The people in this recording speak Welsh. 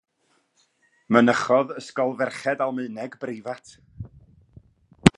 Mynychodd ysgol ferched Almaeneg breifat.